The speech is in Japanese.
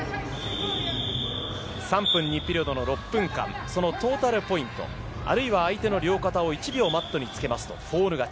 ３分２ピリオドの６分間、そのトータルポイント、あるいは相手の両肩を１秒マットにつけますとフォール勝ち。